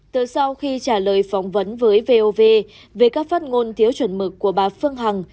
từ sau khi trả lời phỏng vấn với vov về các phát ngôn thiếu chuẩn mực của bà phương hằng